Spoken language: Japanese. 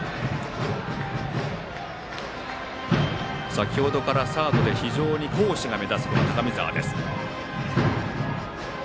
先程からサードで非常に好守が目立つ高見澤。